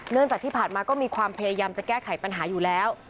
จากที่ผ่านมาก็มีความพยายามจะแก้ไขปัญหาอยู่แล้ว